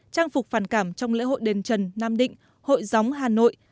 trang phục phản cảm trong lễ hội đền trần nam định hội gióng hà nội